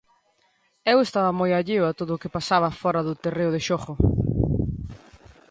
Eu estaba moi alleo a todo o que pasaba fóra do terreo de xogo.